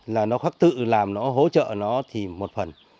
là nó khắc tự làm nó hỗ trợ nó thì một phần